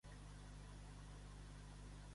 A la zona mediterrània encara és rara.